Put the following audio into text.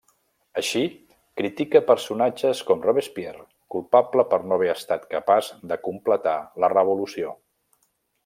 Així critica personatges com Robespierre, culpable per no haver estat capaç de completar la revolució.